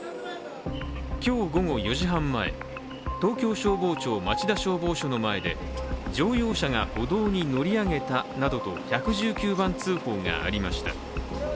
今日午後４時半前、東京消防庁町田消防署の前で乗用車が歩道に乗り上げたなどと１１９番通報がありました。